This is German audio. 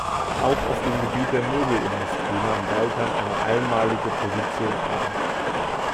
Auch auf dem Gebiet der Möbelindustrie nahm Waldheim eine einmalige Position ein.